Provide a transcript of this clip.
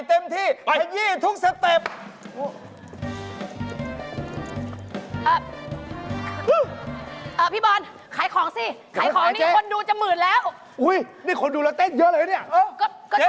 เรียกคนนี้เข้ามาดูเยอะก่อนนะครับ